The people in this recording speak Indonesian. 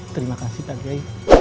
terima kasih pak yai